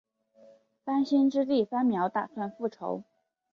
番歆之弟番苗打算复仇。